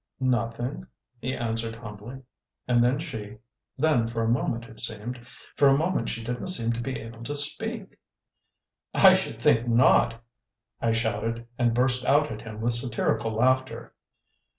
"Nothing," he answered humbly. "And then she then for a moment it seemed for a moment she didn't seem to be able to speak " "I should think not!" I shouted, and burst out at him with satirical laughter.